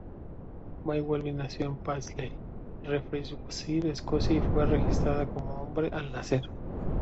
May-Welby nació en Paisley, Renfrewshire, Escocia, y fue registrada como hombre al nacer.